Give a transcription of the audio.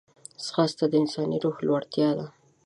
ځغاسته د انساني روح لوړتیا ده